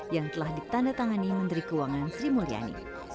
yang telah ditanda tangani menteri keuangan sri mulyani